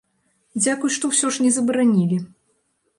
Дзякуй, што ўсё ж не забаранілі!